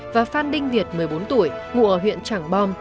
và phan đinh việt một mươi bốn tuổi ngụ ở huyện trảng bom